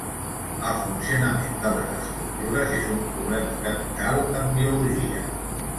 El funcionament de les estructures és un problema capital en biologia.